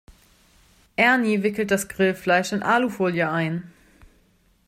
Ernie wickelt das Grillfleisch in Alufolie ein.